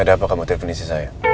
ada apa kamu telfonin sih saya